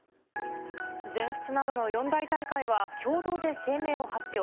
全仏などの四大大会は共同で声明を発表。